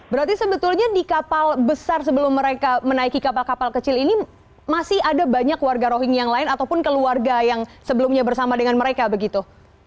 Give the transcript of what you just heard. berarti sebetulnya di kapal besar sebelum mereka menaiki kapal kapal kecil ini masih ada banyak warga rohingya yang lain ataupun keluarga yang sebelumnya bersama dengan mereka begitu